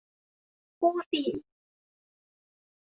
คู่สี่